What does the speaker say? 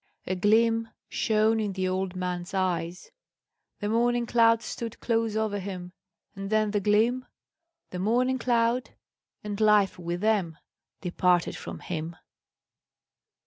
A gleam shone in the old man's eyes, the morning cloud stood close over him, and then the gleam, the morning cloud, and life with them, departed from him.